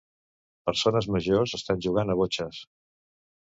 Persones majors estan jugand a botxes.